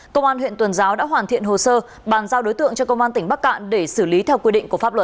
công an huyện tuần giáo đã hoàn thiện hồ sơ bàn giao đối tượng cho công an tỉnh bắc cạn để xử lý theo quy định của pháp luật